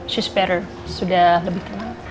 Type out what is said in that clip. she's better sudah lebih tenang